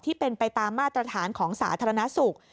ที่เป็นไปตามมาตรฐานของสาธารณสุข